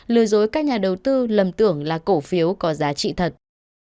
lừa dối các nhà đầu tư lầm tưởng là cổ phiếu có giá trị thật